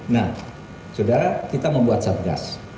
nah saudara kita membuat satgas